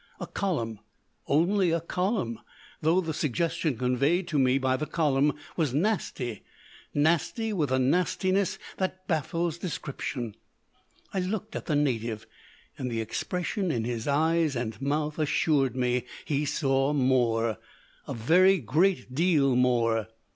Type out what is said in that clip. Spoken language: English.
A column only a column, though the suggestion conveyed to me by the column was nasty nasty with a nastiness that baffles description. I looked at the native, and the expression in his eyes and mouth assured me he saw more a very great deal more.